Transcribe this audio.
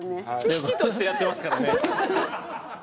喜々としてやってますからね。